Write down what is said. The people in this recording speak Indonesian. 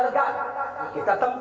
kita tempuh prosedur hukum yang ada